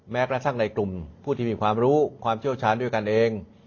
กระทั่งในกลุ่มผู้ที่มีความรู้ความเชี่ยวชาญด้วยกันเอง